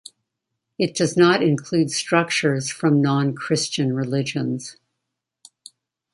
It does not include structures from non-Christian religions.